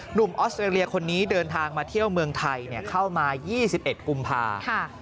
ออสเตรเลียคนนี้เดินทางมาเที่ยวเมืองไทยเข้ามา๒๑กุมภา